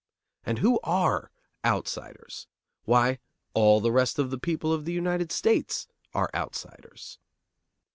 And who are outsiders? Why, all the rest of the people of the United States are outsiders.